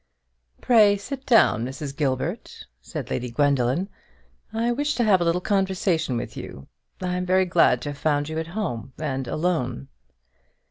"Pray sit down, Mrs. Gilbert," said Lady Gwendoline; "I wish to have a little conversation with you. I am very glad to have found you at home, and alone."